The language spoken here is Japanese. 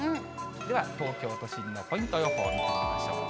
では、東京都心のポイント予報見てみましょう。